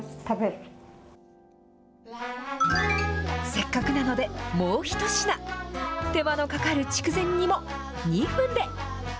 せっかくなのでもう１品。手間のかかる筑前煮も、２分で。